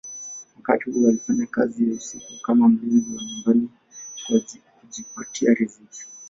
Wakati huu alifanya kazi ya usiku kama mlinzi wa nyumba kwa kujipatia riziki.